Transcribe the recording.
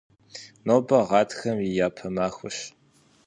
Нобэ гъатхэм и япэ махуэщ.